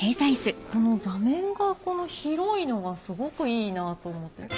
この座面が広いのがすごくいいなと思って。